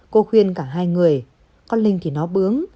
cô khuyên cả hai người con linh thì nó bướng